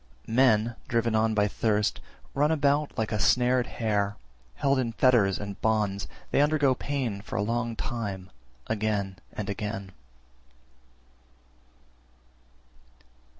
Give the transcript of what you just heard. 342. Men, driven on by thirst, run about like a snared hare; held in fetters and bonds, they undergo pain for a long time, again and again.